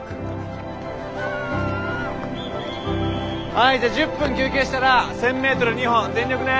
はいじゃあ１０分休憩したら１，０００ｍ２本全力ね！